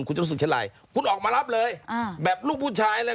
คุณจะรู้สึกเช่นไรคุณออกมารับเลยอ่าแบบลูกผู้ชายเลย